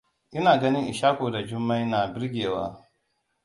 Ina ganin Ishaku da Jummai na birgewa.